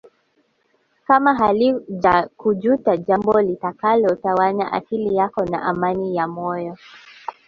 Kama halijakujuta jambo litakalo tawanya akili yako na amani ya moyo